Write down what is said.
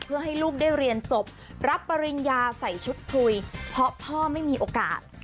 เพื่อให้ลูกได้เรียนจบรับปริญญาใส่ชุดคุยเพราะพ่อไม่มีโอกาส